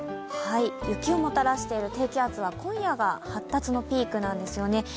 雪をもたらしている低気圧は今夜が発達のピークなんですよね。